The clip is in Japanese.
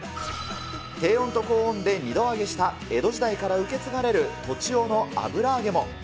低温と高温で二度揚げした江戸時代から受け継がれる栃尾の油揚げも。